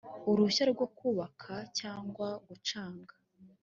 uruhushya rwo kubaka cyangwa gucunga